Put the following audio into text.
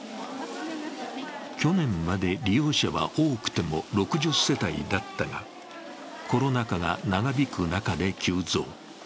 去年まで利用者は多くても６０世帯だったが、コロナ禍が長引く中で急増。